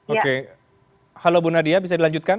oke halo bu nadia bisa dilanjutkan